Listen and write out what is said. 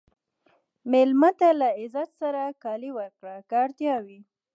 مېلمه ته له عزت سره کالي ورکړه که اړتیا وي.